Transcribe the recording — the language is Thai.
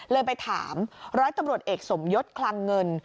เลยไปถามรตบรเอกสมยศคลังเงิน